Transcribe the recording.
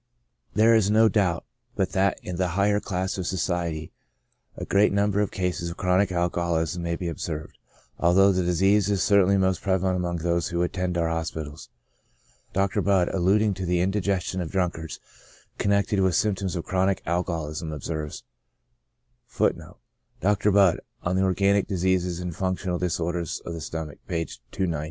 There is no doubt but that in the higher class of society a great number of cases of chronic alcoholism may be ob served, although the disease is certainly most prevalent among those who attend our hospitals. Dr. Budd, alluding to the indigestion of drunkards, connected with symptoms of chronic alcoholism, observes,* " The kind of disorder we are considering is now seldom met with except in the lower ranks of life.